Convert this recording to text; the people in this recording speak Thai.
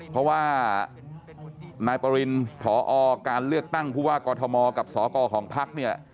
เพราะว่านายปริณผอการเลือกตั้งผู้ว่ากอทมกับสกของพักเนี่ย